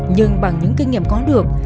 nhưng bằng những kinh nghiệm có được